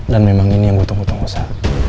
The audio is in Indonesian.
dan memang ini yang gue tunggu tunggu osa